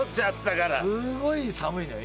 すごい寒いのよ